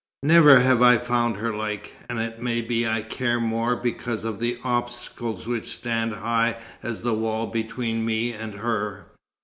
Never have I found her like; and it may be I care more because of the obstacles which stand high as a wall between me and her.